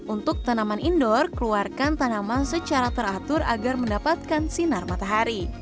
untuk tanaman indoor keluarkan tanaman secara teratur agar mendapatkan sinar matahari